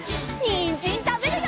にんじんたべるよ！